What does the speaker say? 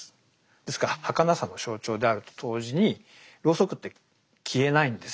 ですからはかなさの象徴であると同時にロウソクって消えないんですよね。